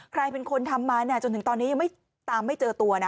ใครเป็นคนทำมาจนถึงตอนนี้ยังไม่ตามไม่เจอตัวนะ